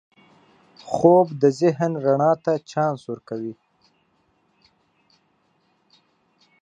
خوب د ذهن رڼا ته چانس ورکوي